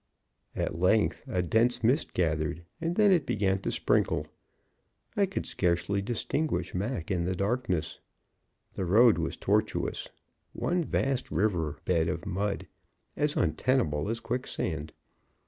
At length, a dense mist gathered; then it began to sprinkle. I could scarcely distinguish Mac in the darkness. The road was tortuous, one vast river bed of mud, as untenable as quicksand.